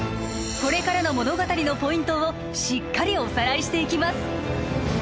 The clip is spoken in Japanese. これからの物語のポイントをしっかりおさらいしていきます